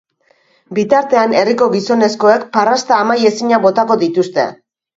Bitartean, herriko gizonezkoek parrasta amai ezinak botako dituzte.